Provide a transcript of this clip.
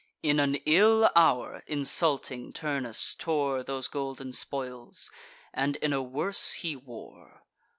In an ill hour insulting Turnus tore Those golden spoils, and in a worse he wore.